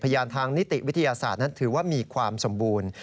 พยานทางนิติวิทยาศาสตร์นั้นถือว่ามีความสมบูรณ์